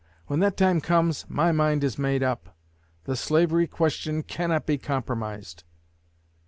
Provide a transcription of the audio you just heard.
When that time comes, my mind is made up. The slavery question cannot be compromised."